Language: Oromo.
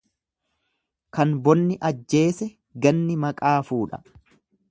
Kan bonni ajjeese ganni maqaa fuudha.